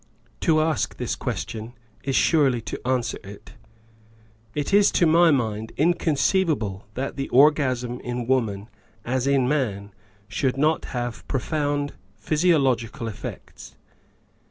To ask this question is surely to answer it. It is to my mind inconceivable that the orgasm in woman as in man should not have profound physiological effects.